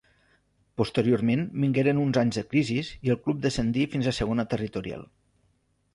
Posteriorment vingueren uns anys de crisi i el club descendí fins a la Segona Territorial.